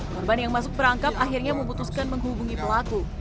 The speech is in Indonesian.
korban yang masuk perangkap akhirnya memutuskan menghubungi pelaku